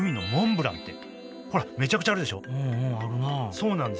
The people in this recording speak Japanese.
そうなんです。